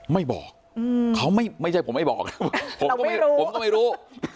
ไม่บอกเขาไม่ใช่ผมไม่บอกนะผมก็ไม่รู้ผมก็ไม่รู้